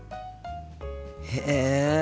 へえ。